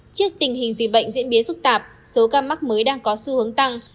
trước tình hình dịch bệnh diễn biến phức tạp số ca mắc mới đang có xu hướng tăng